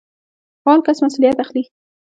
فعال کس مسوليت اخلي.